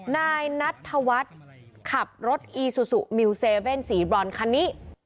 นายนัทธวัฒน์ขับรถอีซูซูมิวเซเว่นสีบรอนคันนี้